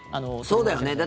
そうだよね。